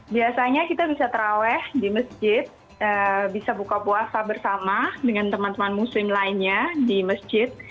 biasanya kita bisa terawih di masjid bisa buka puasa bersama dengan teman teman muslim lainnya di masjid